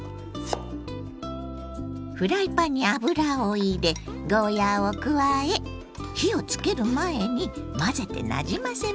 フライパンに油を入れゴーヤーを加え火をつける前に混ぜてなじませます。